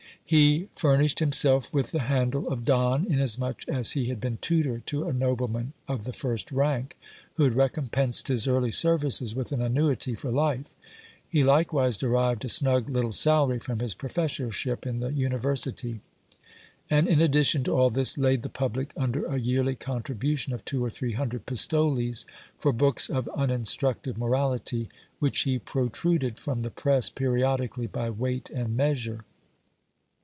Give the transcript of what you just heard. He furn ished himself with the handle of don, inasmuch as he had been tutor to a nobleman of the first rank, who had recompensed his early services with an annuity for life : he likewise derived a snug little salary from his professorship in the university ; and in addition to all this, laid the public under a yearly CDntribution of two or three hundred pistoles for books of uninstructive morality, which he protruded from the press periodically by weight and measure.